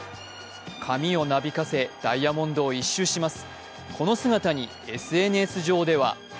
髪をなびかせダイヤモンドを１周します。